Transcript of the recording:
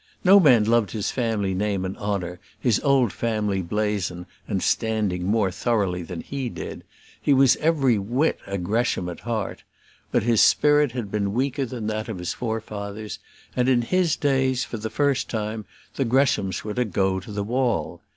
No man loved his family name and honour, his old family blazon and standing more thoroughly than he did; he was every whit a Gresham at heart; but his spirit had been weaker than that of his forefathers; and, in his days, for the first time, the Greshams were to go to the wall!